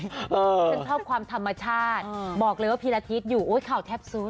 ฉันชอบความธรรมชาติบอกเลยว่าพีรทิศอยู่ข่าวแทบซุด